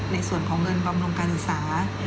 ในส่วนของเงินบำรุงการศึกษา